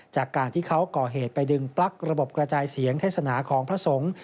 จากการที่เขาก่อเหตุไปดึงปลั๊กระบบกระจายเสียงเทศนาของพระสงฆ์